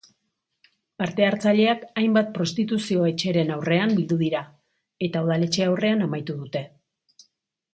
Parte-hartzaileak hainbat prostituzio-etxeren aurrean bildu dira, eta udaletxe aurrean amaitu dute.